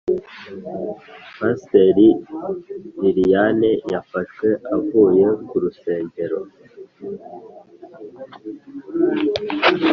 Paster liliane yafashwe avuye kurusengero